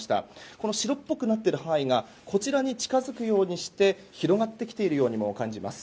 この白っぽくなっている範囲がこちらに近づくようにして広がってきているようにも感じます。